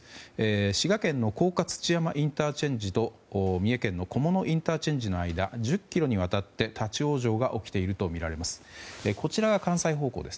滋賀県の甲賀土山ＩＣと三重県の菰野ＩＣの間１０ｋｍにわたって立ち往生が起きているとみられます。